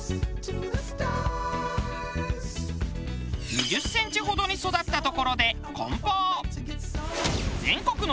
２０センチほどに育ったところで梱包。